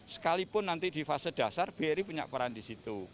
sekalipun nanti di fase dasar bri punya peran di situ